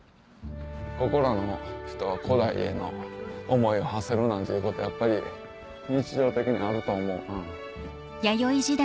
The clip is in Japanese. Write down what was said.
ここらの人は古代への思いをはせるなんていうことやっぱり日常的にあると思うな。